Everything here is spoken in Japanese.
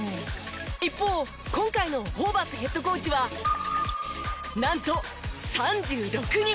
一方今回のホーバスヘッドコーチはなんと３６人。